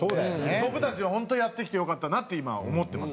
僕たちは本当やってきてよかったなって今思ってます